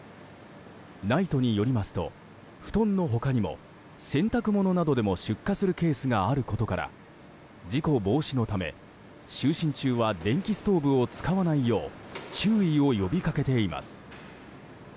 ＮＩＴＥによりますと布団の他にも洗濯物などでも出火するケースがあることから事故防止のため、就寝中は電気ストーブを使わないよう注意を呼びかけています。